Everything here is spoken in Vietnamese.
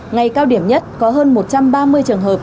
ngày cao điểm nhất có hơn một trăm ba mươi trường hợp